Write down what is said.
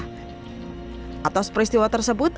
hai atas peristiwa tersebut